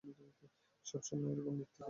সবসময়ই এরকম নীতিবাক্য ঝাড়ো?